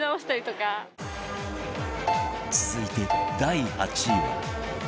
続いて第８位は